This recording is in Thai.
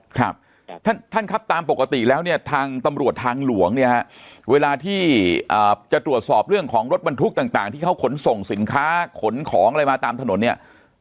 ครับท่านท่านครับตามปกติแล้วเนี่ยทางตำรวจทางหลวงเนี่ยฮะเวลาที่จะตรวจสอบเรื่องของรถบรรทุกต่างที่เขาขนส่งสินค้าขนของอะไรมาตามถนนเนี่ย